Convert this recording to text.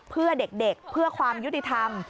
เพื่อเด็กเพื่อความยุติธรรม